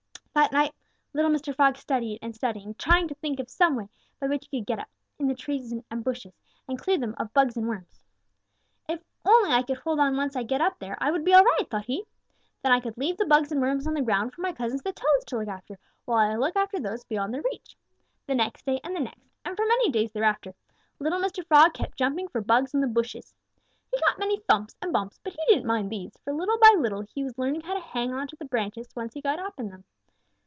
"That night little Mr. Frog studied and studied, trying to think of some way by which he could get up in the bushes and trees and clear them of bugs and worms. 'If only I could hold on once I get up there, I would be all right,' thought he. 'Then I could leave the bugs and worms on the ground for my cousins the Toads to look after, while I look after those beyond their reach.' "The next day and the next, and for many days thereafter, little Mr. Frog kept jumping for bugs on the bushes. He got many thumps and bumps, but he didn't mind these, for little by little he was learning how to hang on to the branches once he got up in them.